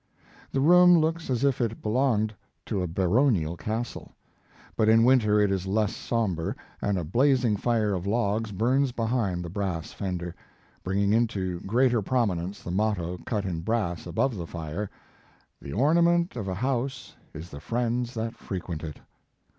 The room looks as if it belonged to a baronial castle, but in winter it is less sombre, and a blazing fire of logs burns behind the brass fender, bringing into greater prominence the motto cut in brass above the fire: "The ornament of a house is the friends that frequent it."